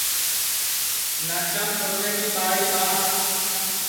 ناکام سونیں کی ٻاݪی ٻاہ